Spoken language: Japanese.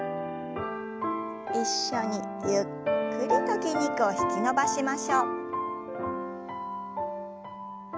一緒にゆっくりと筋肉を引き伸ばしましょう。